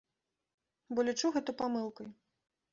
Бо лічу гэта памылкай.